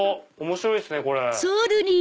面白いっすね。